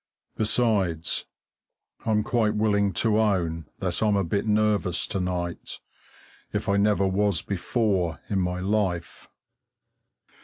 Besides, I'm quite willing to own that I'm a bit nervous to night, if I never was before in my life.